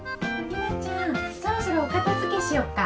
そろそろおかたづけしよっか？